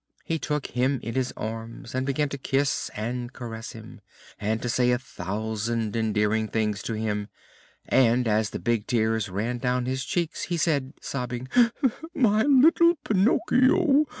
He took him in his arms and began to kiss and caress him, and to say a thousand endearing things to him, and as the big tears ran down his cheeks he said, sobbing: "My little Pinocchio!